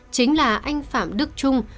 chính là anh phạm đức trung